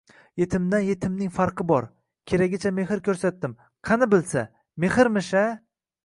Yetimdan yetimning farqi bor! Keragicha mehr koʻrsatdim, qani bilsa! Mehrmish-a.